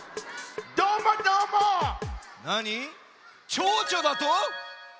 チョウチョだと？